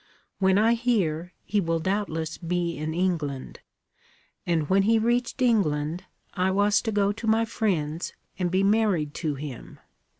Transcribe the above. When I hear, he will doubtless be in England. And when he reached England, I was to go to my friends and be married to him.